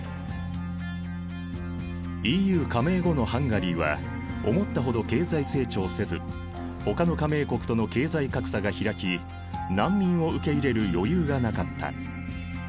ＥＵ加盟後のハンガリーは思ったほど経済成長せずほかの加盟国との経済格差が開き難民を受け入れる余裕がなかった。